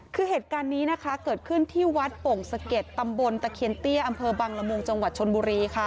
คือเหตุการณ์นี้นะคะเกิดขึ้นที่วัดโป่งสะเก็ดตำบลตะเคียนเตี้ยอำเภอบังละมุงจังหวัดชนบุรีค่ะ